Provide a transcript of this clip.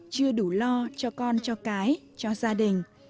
chưa đủ lo cho con cho cái cho gia đình